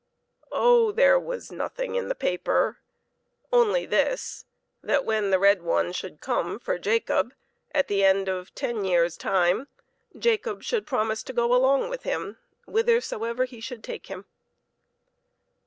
Oh, there was nothing in the paper, only this : that when the red one should come for Jacob at the end of ten years' time, Jacob should promise to go along with him whitherso ever he should take him.